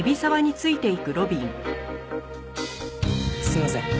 すいません。